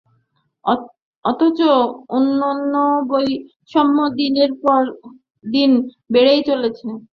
অথচ উন্নয়নবৈষম্য দিনের পর দিন বেড়েই চলেছে।